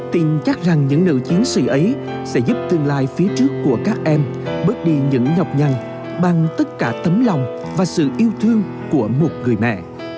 tin chắc rằng những nữ chiến sĩ ấy sẽ giúp tương lai phía trước của các em bớt đi những nhọc nhằn bằng tất cả tấm lòng và sự yêu thương của một người mẹ